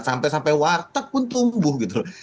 sampai sampai warteg pun tumbuh gitu loh